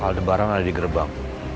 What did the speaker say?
aldebaren ada di gerbang